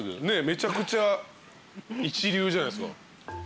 めちゃくちゃ一流じゃないっすか。